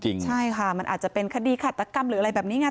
ใช่ค่ะมันอาจจะเป็นคดีฆาตกรรมหรืออะไรแบบนี้ไง